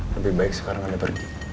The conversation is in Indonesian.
lebih baik sekarang anda pergi